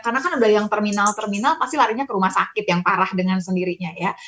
karena kan ada yang terminal terminal pasti larinya ke rumah sakit yang parah dengan sendirinya ya